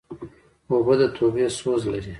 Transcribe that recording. اوبه د توبه سوز لري.